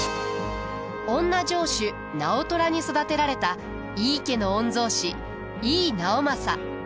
おんな城主直虎に育てられた井伊家の御曹司井伊直政。